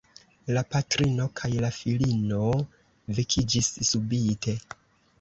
La patrino kaj la filino vekiĝis subite.